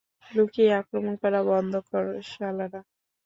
লুকিয়ে আক্রমণ করা বন্ধ কর, শালারা!